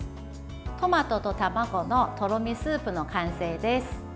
トマトと卵のとろみスープの完成です。